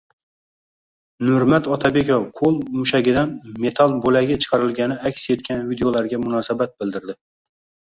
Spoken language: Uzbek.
Nurmat Otabekov qo‘l mushagidan metall bo‘lagi chiqarilgani aks etgan videolarga munosabat bildirdi